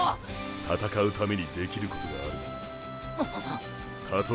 闘うためにできることがあるなら。